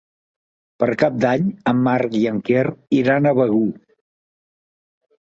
Per Cap d'Any en Marc i en Quer iran a Begur.